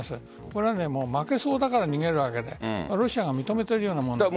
これは負けそうだから逃げるわけでロシアが認めているようなものです。